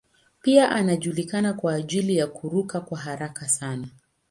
Pia anajulikana kwa ajili ya kuruka kwa haraka sana.